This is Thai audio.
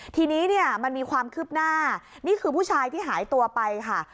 ทีนี้เนี่ยมันมีความคืบหน้านี่คือผู้ชายที่หายตัวไปค่ะ